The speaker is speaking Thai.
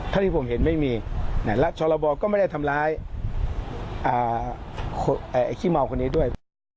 ที่ผมเห็นไม่มีและชรบก็ไม่ได้ทำร้ายไอ้ขี้เมาคนนี้ด้วย